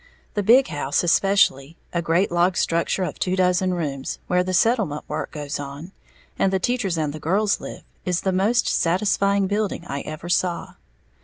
The "big house" especially, a great log structure of two dozen rooms, where the settlement work goes on, and the teachers and girls live, is the most satisfying building I ever saw.